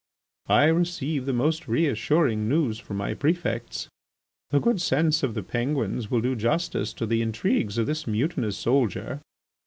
... I receive the most reassuring news from my prefects. The good sense of the Penguins will do justice to the intrigues of this mutinous soldier.